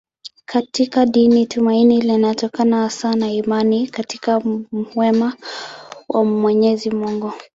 Katika dini tumaini linatokana hasa na imani katika wema wa Mwenyezi Mungu.